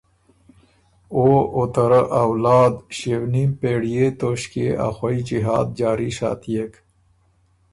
او، او ته رۀ اولاد ݭیې ونیم پېړئے توݭکيې ا خوئ جهاد جاري ساتيېک۔